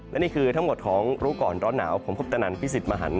และนี่คือทั้งหมดของรู้ก่อนร้อนหนาวผมคุปตนันพิสิทธิ์มหัน